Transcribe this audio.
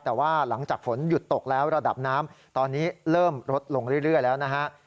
แต่ว่าหลังจากฝนหยุดตกแล้วระดับน้ำตอนนี้เริ่มลดลงเรื่อยแล้วนะฮะ